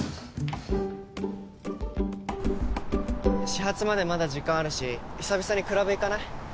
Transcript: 始発までまだ時間あるし久々にクラブ行かない？